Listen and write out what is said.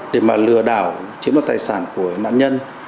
để mà lừa đảo chiếm đoạt tài sản của nạn nhân